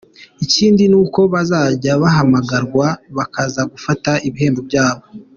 Ikindi ni uko bazajya bahamagarwa bakaza gufata ibihembo byabo.